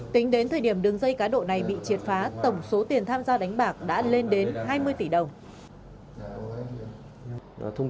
tính đến thời điểm đường dây cá độ này bị triệt phá tổng số tiền tham gia đánh bạc đã lên đến hai mươi tỷ đồng